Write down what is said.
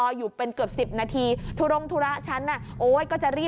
ถุรองค์ธุระตัวภัพดิ์